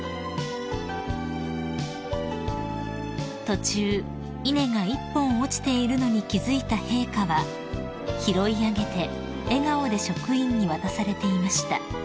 ［途中稲が１本落ちているのに気付いた陛下は拾い上げて笑顔で職員に渡されていました］